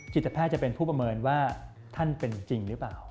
จิตแพทย์จะเป็นผู้ประเมินว่าท่านเป็นจริงหรือเปล่า